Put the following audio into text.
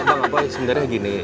bang apoy sebenarnya begini